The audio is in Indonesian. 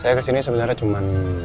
saya kesini sebenarnya cuma